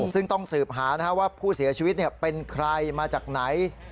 ซึ่งต้องสืบหาว่าผู้เสียชีวิตเป็นใครมาจากไหน